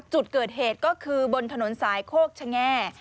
จุดเกิดเหตุก็คือบนถนนสายโคกชะแง่